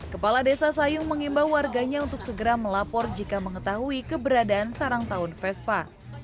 kepala desa sayung mengimbau warganya untuk segera melapor jika mengetahui keberadaan sarang tahun vespa